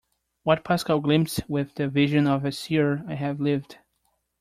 What Pascal glimpsed with the vision of a seer, I have lived.